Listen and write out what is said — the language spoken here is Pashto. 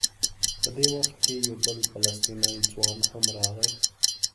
په دې وخت کې یو بل فلسطینی ځوان هم راغی.